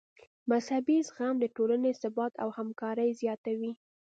مذهبي زغم د ټولنې ثبات او همکاري زیاتوي.